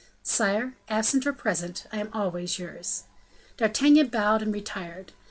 "Sire, absent or present, I am always yours." D'Artagnan bowed and retired.